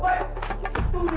baik tunggu dulu